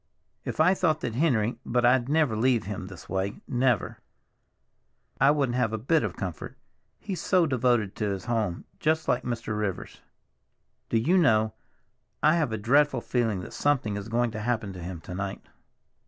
If I thought that Henry—but I'd never leave him this way, never; I wouldn't have a bit of comfort. He's so devoted to his home, just like Mr. Rivers." "Do you know—I have a dreadful feeling that something is going to happen to him to night?"